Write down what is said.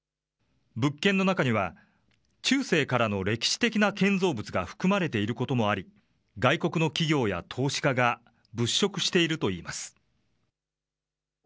物件の中には、中世からの歴史的な建造物が含まれていることもあり、外国の企業や投資家が物色しているといいます。